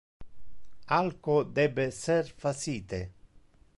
Alco debe ser facite.